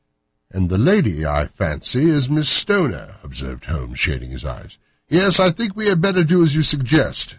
"And the lady, I fancy, is Miss Stoner," observed Holmes, shading his eyes. "Yes, I think we had better do as you suggest."